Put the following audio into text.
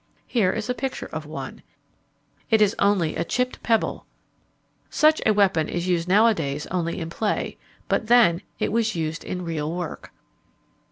Here is a picture of one. It is only a chipped pebble. Such a weapon is used nowadays only in play, but then it was used in real work.